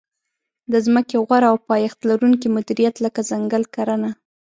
د ځمکې غوره او پایښت لرونکې مدیریت لکه ځنګل کرنه.